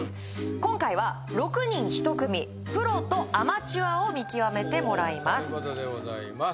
今回は６人１組プロとアマチュアを見極めてもらいますそういうことでございます